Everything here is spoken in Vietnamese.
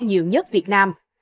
nhiều nhất việt nam